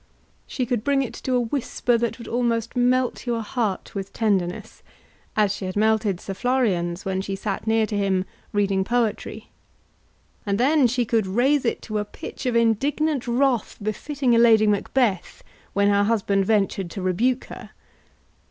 She could bring it to a whisper that would almost melt your heart with tenderness, as she had melted Sir Florian's, when she sat near to him reading poetry; and then she could raise it to a pitch of indignant wrath befitting a Lady Macbeth when her husband ventured to rebuke her.